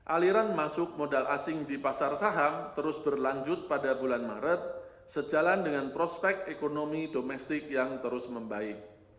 aliran masuk modal asing di pasar saham terus berlanjut pada bulan maret sejalan dengan prospek ekonomi domestik yang terus membaik